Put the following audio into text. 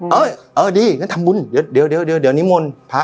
เออเออดีงั้นทำบุญเดี๋ยวเดี๋ยวเดี๋ยวเดี๋ยวนิมนต์พระ